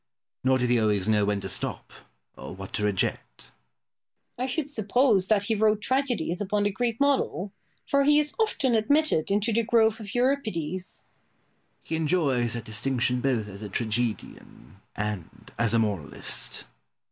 Nor did he always know when to stop, or what to reject. Boileau. I should suppose that he wrote tragedies upon the Greek model. For he is often admitted into the grove of Euripides. Pope. He enjoys that distinction both as a tragedian and as a moralist.